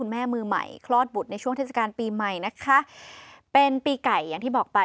มุมไหนก็น่ารักนะคะ